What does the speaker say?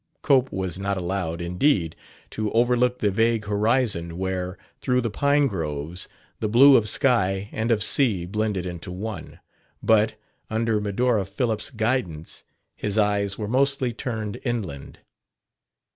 Cope was not allowed, indeed, to overlook the vague horizon where, through the pine groves, the blue of sky and of sea blended into one; but, under Medora Phillips' guidance, his eyes were mostly turned inland.